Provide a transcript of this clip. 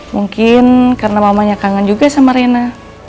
mungkin karena mamanya kangen juga sama rina